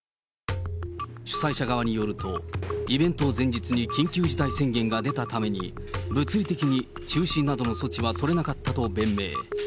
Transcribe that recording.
主催者側によると、イベント前日に緊急事態宣言が出たために、物理的に中止などの措置が取れなかったと弁明。